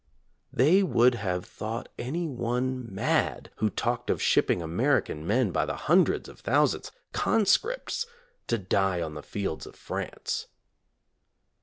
They would have thought any one mad who talked of shipping American men by the hundreds of thou sands — conscripts — to die on the fields of France.